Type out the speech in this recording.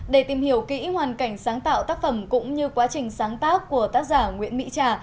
để tìm hiểu kỹ hoàn cảnh sáng tạo tác phẩm cũng như quá trình sáng tác của tác giả nguyễn mỹ trà